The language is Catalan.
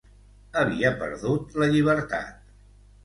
Havia perdut la llibertat.